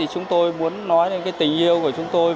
chúng tôi muốn nói đến tình yêu của chúng tôi